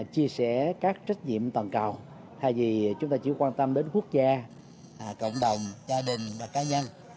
chia sẻ các trách nhiệm toàn cầu thay vì chúng ta chỉ quan tâm đến quốc gia